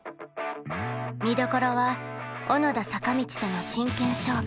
見どころは小野田坂道との真剣勝負。